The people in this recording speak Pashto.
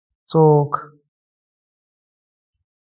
ـ څوک؟